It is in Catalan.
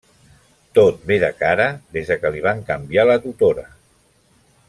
Tot ve de cara des que li van canviar la tutora.